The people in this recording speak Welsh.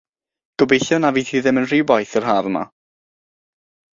Gobeithio na fydd hi ddim yn rhy boeth yr haf yma.